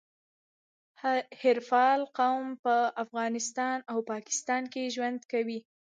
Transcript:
حریفال قوم په افغانستان او پاکستان کي ژوند کوي.